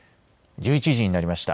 １１時になりました。